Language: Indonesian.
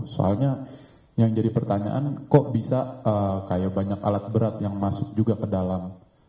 soalnya yang jadi pertanyaan kok bisa kayak banyak alat berat yang masuk juga ke dalam